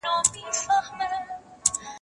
ما چي ول باران به بالا ودرېږي باره باد شروع سو